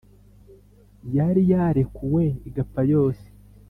yari yarekuwe igapfa yose.